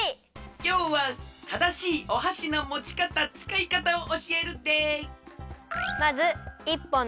きょうはただしいおはしのもちかたつかいかたをおしえるで！